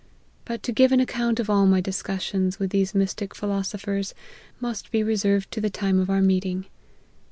But to give an account of all my discussions with these mystic philosophers, must be reserved to the time of our meeting.